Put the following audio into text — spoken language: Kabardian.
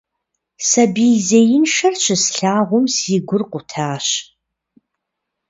Сабий зеиншэхэр щыслъагъум, си гур къутащ.